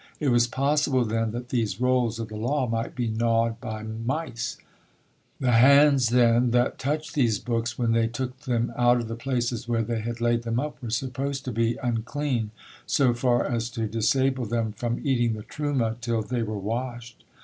It was possible, then, that these rolls of the law might be gnawed by mice. The hands then that touched these books when they took them out of the places where they had laid them up, were supposed to be unclean, so far as to disable them from eating the truma till they were washed.